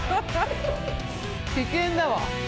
危険だわ。